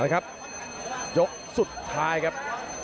ครับยกสุดท้ายครับ